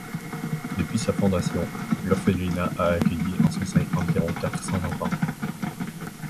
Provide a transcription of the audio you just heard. Depuis sa fondation, l'orphelinat a accueilli en son sein environ quatre cents enfants.